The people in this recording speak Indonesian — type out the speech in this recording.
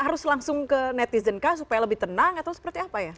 harus langsung ke netizen kah supaya lebih tenang atau seperti apa ya